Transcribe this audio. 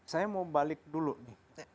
saya mau balik dulu nih